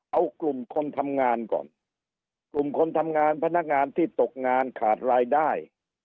เอากลุ่มคนทำงานก่อนกลุ่มคนทำงานพนักงานที่ตกงานขาดรายได้